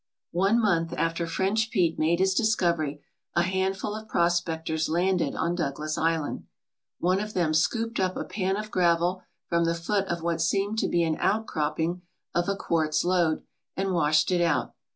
One month after French Pete made his discovery a handful of prospectors landed on Douglas Island. One of them scooped up a pan of gravel from the foot of what seemed to be an outcropping of a quartz lode and washed it out.